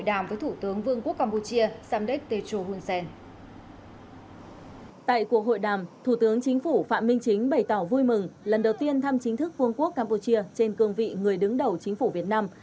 tại cuộc hội đàm thủ tướng chính phủ phạm minh chính bày tỏ vui mừng lần đầu tiên thăm chính thức vương quốc campuchia trên cương vị người đứng đầu chính phủ việt nam